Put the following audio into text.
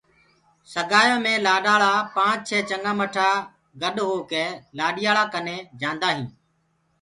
سگآيو مي لآڏآݪآ پآنچ چهي چگآ مٺآ گڏ هوڪي لآڏيآلآ ڪني جاندآ هينٚ